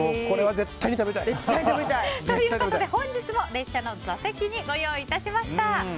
これは絶対に食べたい！ということで本日も列車の座席にご用意致しました。